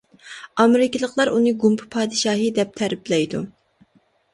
ئامېرىكىلىقلار ئۇنى گۇمپا پادىشاھى، دەپ تەرىپلەيدۇ.